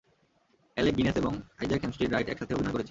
Alec Guinness এবং Isaac Hempstead Wright একসাথে অভিনয় করেছেন।